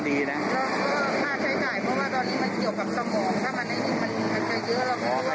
ชนกระเด็นเลย